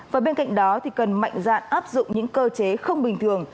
và bên cạnh đó thì cần mạnh dạn áp dụng những cơ chế không bình thường